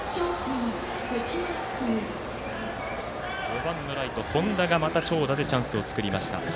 ４番のライト、本多が長打でチャンスを作りました。